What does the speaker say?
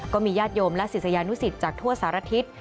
ก็มีญาติโยมและศิษยานุสิตจากทั่วสารทิศ